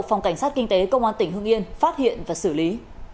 phòng cảnh sát kinh tế công an tỉnh hưng yên phát hiện và xử lý